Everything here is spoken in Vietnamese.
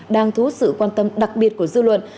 đang thú sự quan tâm đặc biệt của dư luận